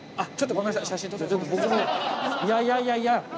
いやいやいやいや。